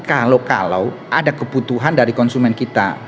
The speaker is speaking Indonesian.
kalau kalau ada kebutuhan dari konsumen kita